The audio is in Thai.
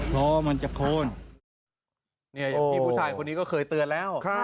พี่ผู้ชายคนนี้ก็เคยเตือนแล้ว